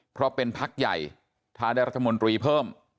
เพราะเป็นพักใหญ่ถ้าได้รัฐมนตรีเพิ่ม